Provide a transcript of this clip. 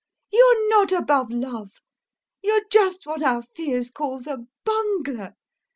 You're not above love, you're just what our Fiers calls a bungler.